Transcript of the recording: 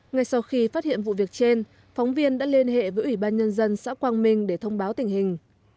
ngay sau khi phát hiện vụ việc trên phóng viên đã liên hệ với ủy ban nhân dân xã quang minh để thông báo tình hình